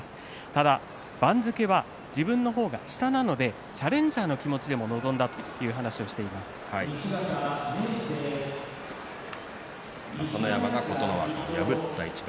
ただ番付は自分の方が下なのでチャレンジャーの気持ちで臨んだ朝乃山が琴ノ若を破った一番。